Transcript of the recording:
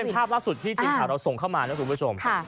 นี่เป็นภาพสุดที่จริงเราส่งเข้ามานะครับทุกผู้ชม